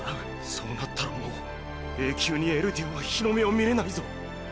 そうなったらもう永久にエルディアは日の目を見れないぞ！！